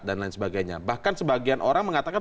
dan lain sebagainya bahkan sebagian orang mengatakan